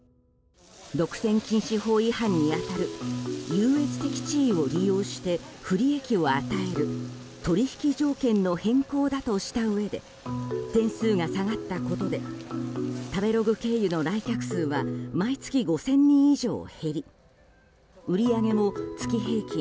独占禁止法違反に当たる優越的地位を利用して不利益を与える取引条件の変更だとしたうえで点数が下がったことで食べログ経由の来客数は毎月５０００人以上減り売り上げも月平均